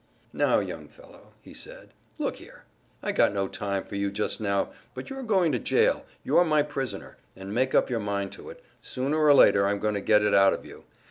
"Now, young fellow," he said, "look here. I got no time for you just now, but you're going to jail, you're my prisoner, and make up your mind to it, sooner or later I'm going to get it out of you.